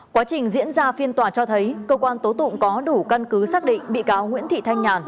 quá trình diễn ra phiên tòa cho thấy cơ quan tố tụng có đủ căn cứ xác định bị cáo nguyễn thị thanh nhàn